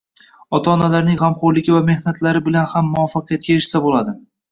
ota-onalarning g‘amxo‘rligi va mehnatlari bilan ham muvaffaqiyatga erishsa bo‘ladi.